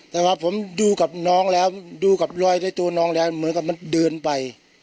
แต่ว่าผมดูกับน้องแล้วดูกับรอยในตัวน้องแล้วเหมือนกับมันเดินไป